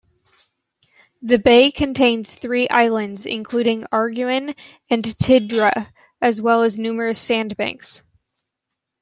The bay contains three islands, including Arguin and Tidra, as well as numerous sandbanks.